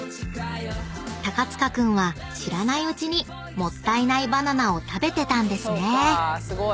［塚君は知らないうちにもったいないバナナを食べてたんですね］